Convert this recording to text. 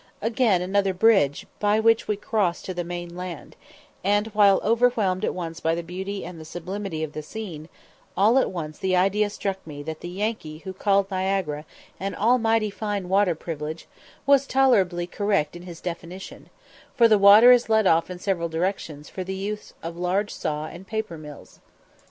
Again another bridge, by which we crossed to the main land; and while overwhelmed at once by the beauty and the sublimity of the scene, all at once the idea struck me that the Yankee who called Niagara "an almighty fine water privilege" was tolerably correct in his definition, for the water is led off in several directions for the use of large saw and paper mills.